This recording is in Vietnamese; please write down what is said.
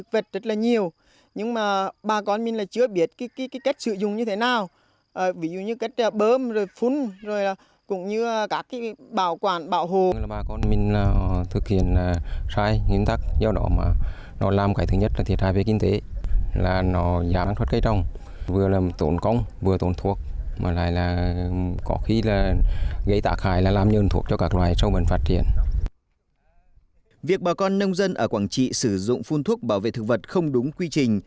việc bà con nông dân ở quảng trị sử dụng phun thuốc bảo vệ thực vật không đúng quy trình